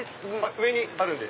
上にあるんで。